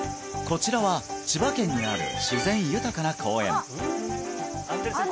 こちらは千葉県にある自然豊かな公園